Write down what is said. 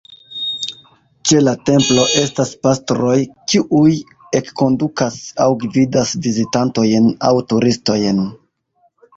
Ĉe la templo estas pastroj, kiuj enkondukas aŭ gvidas vizitantojn aŭ turistojn.